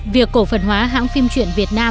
việc cổ phần hóa hãng phim chuyển việt nam